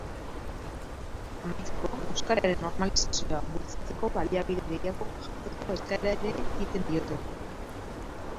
Amaitzeko, euskararen normalizazioa bultzatzeko baliabide gehiago jartzeko eskaera ere egiten diote.